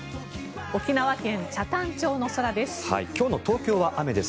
沖縄県北谷町の空です。